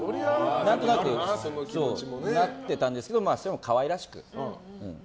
何となくそうなっていたんですけどそれも可愛らしく。